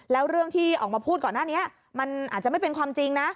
แล้วเรื่องที่ออกมาพูดก่อนหน้านี้มันอาจจะไม่เป็นความจริงนะ